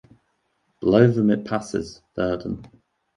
Below them it passes Verden.